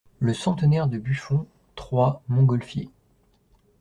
LE CENTENAIRE DE BUFFON, Troyes, Montgolfier.